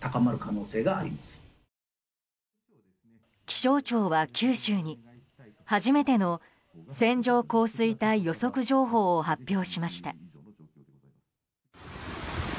気象庁は九州に初めての線状降水帯予測情報を発表しました。